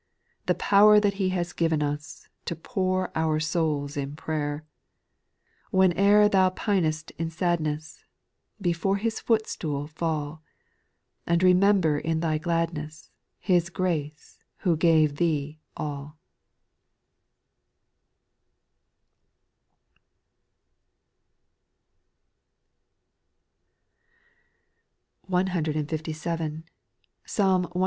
The power that lie has given us. To pour our souls in prayer I Whene'er thou pin'st in sadness, Before His footstool fall, And remember in thy gladness His grace who gave thee alL SPIRITUAL SONGS, 215 167.